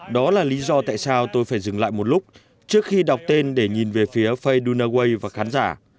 đó là lý do tại sao tôi phải dừng lại một lúc trước khi đọc tên để nhìn về phía faye dunaway và khán giả